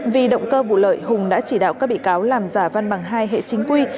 vì động cơ vụ lợi hùng đã chỉ đạo các bị cáo làm giả văn bằng hai hệ chính quy